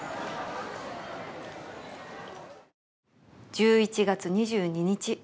「１１月２２日」